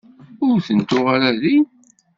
Ur ten-tuɣ ara din.